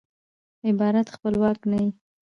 عبارت خپلواک نه يي.